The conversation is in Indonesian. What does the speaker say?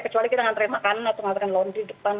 kecuali kita ngantri makan atau ngantri laundry di depan